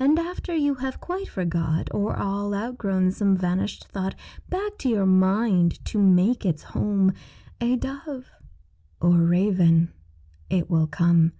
And after you have quite forgot Or all outgrown some vanished thought, Back to your mind to make its home, A dove or raven, it will come.